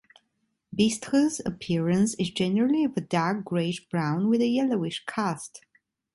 Bistre's appearance is generally of a dark grayish brown, with a yellowish cast.